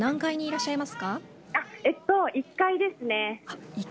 １階ですね。